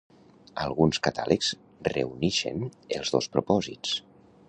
Alguns catàlegs reunixen els dos propòsits.